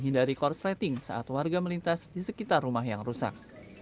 dari kurs rating saat warga melintas di sekitar rumah yang rusak